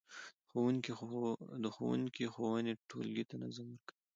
د ښوونکي ښوونې ټولګي ته نظم ورکوي.